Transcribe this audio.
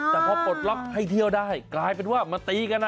แต่พอปลดล็อกให้เที่ยวได้กลายเป็นว่ามาตีกัน